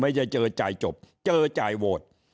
ไม่ใช่เจอจ่ายจบเจอจ่ายโวทย์